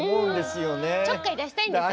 ちょっかい出したいんですよね。